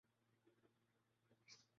جنون صرف اچھی نہیں ناگزیر چیز ہے۔